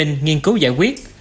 nghiên cứu giải quyết